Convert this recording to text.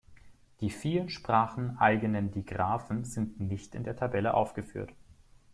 Die vielen Sprachen eigenen Digraphen sind nicht in der Tabelle aufgeführt.